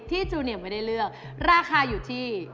จูเนียมไม่ได้เลือกราคาอยู่ที่